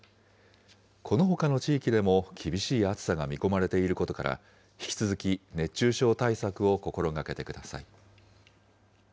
このほかの地域でも、厳しい暑さが見込まれていることから、引き続き熱中症対策を心がけてください。